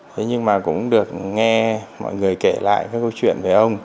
thế nhưng mà cũng được nghe mọi người kể lại cái câu chuyện về ông